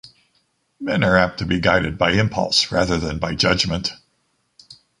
Men are apt to be guided by impulse rather than by judgement.